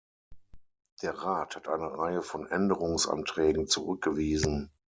Der Rat hat eine Reihe von Änderungsanträgen zurückgewiesen.